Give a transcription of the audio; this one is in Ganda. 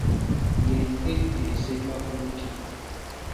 Ye nkejje esemba ku luti.